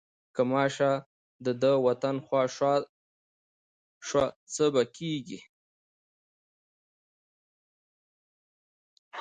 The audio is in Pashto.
که ماشه د ده د وطن خوا شوه څه به کېږي.